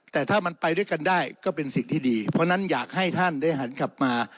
แต่ถ้ามันไปด้วยกันได้ก็เป็นสิ่งที่ดีเพราะฉะนั้นอยากให้ท่านได้หันกลับมา